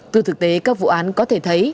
từ thực tế các vụ án có thể thấy